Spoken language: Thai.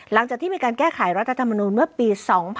หลังจากที่มีการแก้ไขรัฐธรรมนูลเมื่อปี๒๕๖๒